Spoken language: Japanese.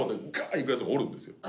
いくヤツもおるんですよ。